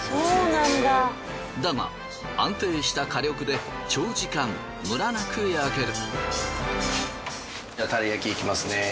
だが安定した火力で長時間ムラなく焼ける。